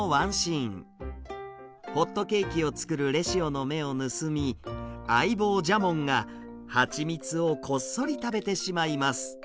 ホットケーキを作るレシオの目を盗み相棒ジャモンが蜂蜜をこっそり食べてしまいます。